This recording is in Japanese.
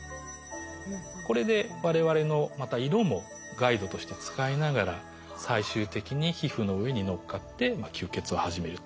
これで我々のまた色もガイドとして使いながら最終的に皮膚の上にのっかって吸血を始めると。